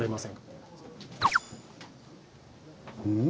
うん？